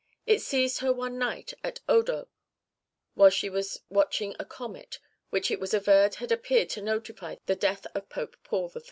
It seized her one night at Odos whilst she was watching a comet, which it was averred had appeared to notify the death of Pope Paul III.